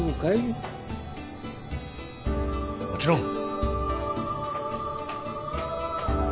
もちろん。